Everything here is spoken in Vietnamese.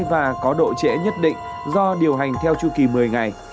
và có độ trễ nhất định do điều hành theo chu kỳ một mươi ngày